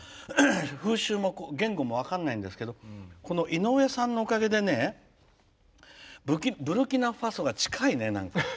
風習も言語も分からないんですけどいのうえさんのおかげでねブルキナファソが近いね。